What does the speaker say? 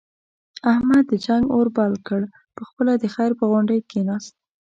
احمد د جنگ اور بل کړ، په خپله د خیر په غونډۍ کېناست.